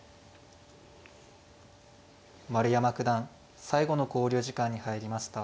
丸山九段最後の考慮時間に入りました。